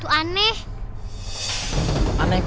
burusan sama hantu